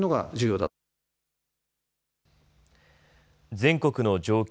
全国の状況。